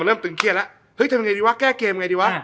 เฮ้ยทำยังไงดีวะแก้เกมยังไงดีวะ